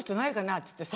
っつってさ。